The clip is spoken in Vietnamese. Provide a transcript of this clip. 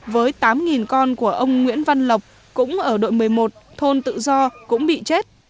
với tám con của ông nguyễn văn lộc cũng ở đội một mươi một thôn tự do cũng bị chết